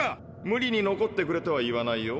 無理に残ってくれとは言わないよ。